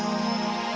kau mau ngapain